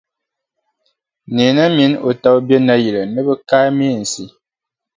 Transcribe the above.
Neena mini o taba be Naayili ni bɛ kaai meensi.